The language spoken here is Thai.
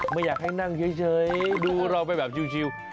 ไม่อยากให้นั่งเฉยดูเราไปแบบชิว